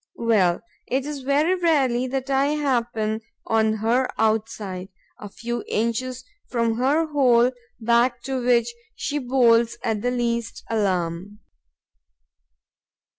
Well, it is very rarely that I happen on her outside, a few inches from her hole, back to which she bolts at the least alarm.